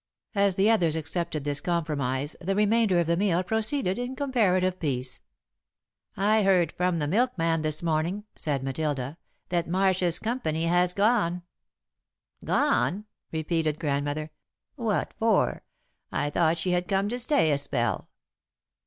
As the others accepted this compromise, the remainder of the meal proceeded in comparative peace. "I heard from the milkman this morning," said Matilda, "that Marshs' company has gone." "Gone!" repeated Grandmother. "What for? I thought she had come to stay a spell."